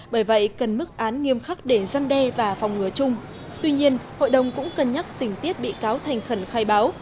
bởi vậy cần mức án nghiêm khắc để giăn đe và phòng ngừa chung tuy nhiên hội đồng cũng cân nhắc tình tiết bị cáo thành khẩn khai báo